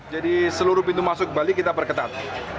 jadi seluruh pintu masuk bali kita perketat